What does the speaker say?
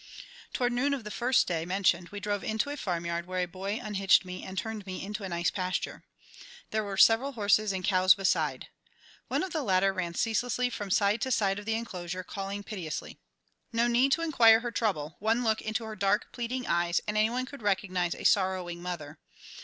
Toward noon of the day first mentioned we drove into a farmyard where a boy unhitched me and turned me into a nice pasture. There were several horses and cows beside. One of the latter ran ceaselessly from side to side of the inclosure, calling piteously. No need to inquire her trouble; one look into her dark, pleading eyes and any one could recognize a sorrowing mother.